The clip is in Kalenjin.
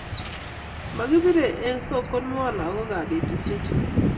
Makibirei eng' sokonwo lagoikab betusiechu